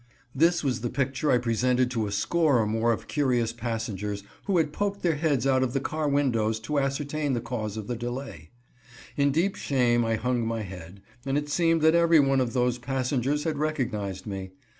This was the picture I presented to a score or more of curious passengers, who had poked their heads out of the car windows to ascertain the cause of the delay. In deep shame I hung my head, and it seemed that everyone of those passengers had recognized me.